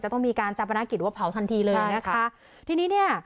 จะต้องมีการจับประณะกิจว่าเผาทันทีเลยนะคะใช่ค่ะทีนี้เนี่ย